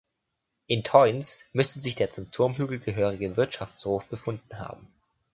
In Teunz müsste sich der zum Turmhügel gehörige Wirtschaftshof befunden haben.